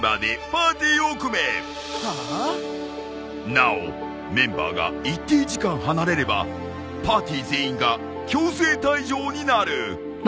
なおメンバーが一定時間離れればパーティー全員が強制退場になる。